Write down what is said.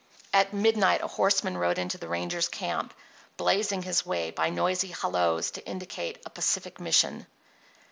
At midnight a horseman rode into the rangers' camp, blazing his way by noisy "halloes" to indicate a pacific mission.